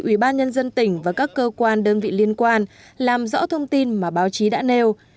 ubnd tỉnh và các cơ quan đơn vị liên quan làm rõ thông tin mà báo chí đã nêu